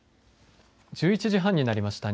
１１時半になりました。